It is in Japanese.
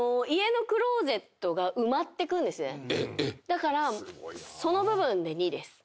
だからその部分で２です。